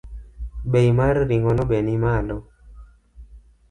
Bei mar ring’ono be nimalo